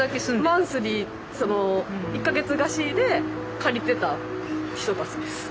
マンスリー１か月貸しで借りてた人たちです。